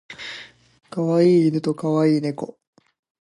可愛い犬と可愛い猫